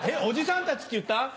「おじさんたち」って言った？